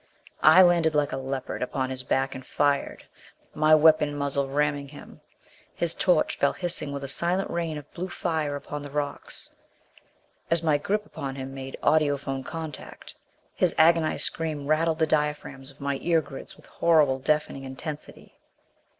I landed like a leopard upon his back and fired, my weapon muzzle ramming him. His torch fell hissing with a silent rain of blue fire upon the rocks. As my grip upon him made audiphone contact, his agonized scream rattled the diaphragms of my ear grids with horrible, deafening intensity.